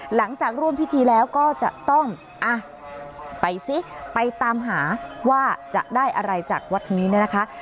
หลังจากร่วมพิธีแล้วก็จะต้องอ่ะไปซิไปตามหาว่าจะได้อะไรจากวัดนี้เนี่ยนะคะ